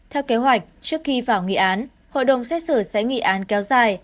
theo kế hoạch trước khi vào nghị án hội đồng xét xử sẽ nghị án kéo dài